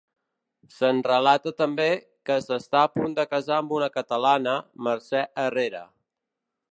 Se'ns relata també, que s'està a punt de casar amb una catalana, Mercè Herrera.